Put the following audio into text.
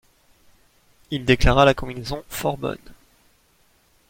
Il déclara la combinaison fort bonne.